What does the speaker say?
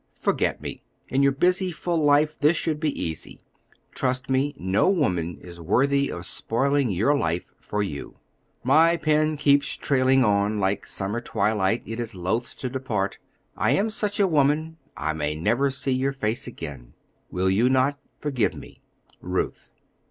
Forget me. In your busy, full life this should be easy. Trust me, no woman is worthy of spoiling your life for you. My pen keeps trailing on; like summer twilight it is loath to depart. I am such a woman. I may never see your face again. Will you not forgive me? RUTH.